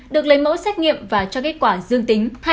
được lấy mẫu xét nghiệm và cho kết quả dương tính